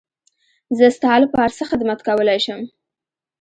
زه ستا لپاره څه خدمت کولی شم.